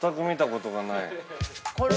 ◆これ？